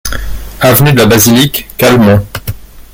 Avenue de la Basilique, Calmont